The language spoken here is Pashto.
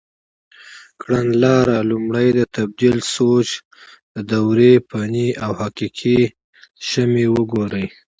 کړنلاره: لومړی د تبدیل سویچ د دورې فني او حقیقي شمې وګورئ.